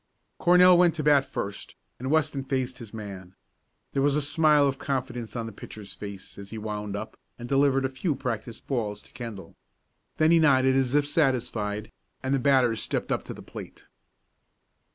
Cornell went to the bat first, and Weston faced his man. There was a smile of confidence on the pitcher's face, as he wound up, and delivered a few practice balls to Kendall. Then he nodded as if satisfied, and the batter stepped up to the plate.